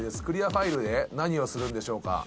クリアファイルで何をするんでしょうか。